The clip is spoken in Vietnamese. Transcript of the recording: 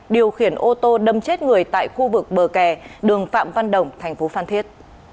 điều khiển ô tô đâm chết người tại khu vực bờ kè đường phạm văn đồng tp phan thiết